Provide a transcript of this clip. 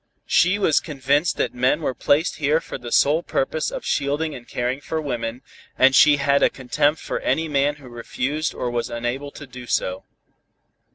She was convinced that men were placed here for the sole purpose of shielding and caring for women, and she had a contempt for any man who refused or was unable to do so.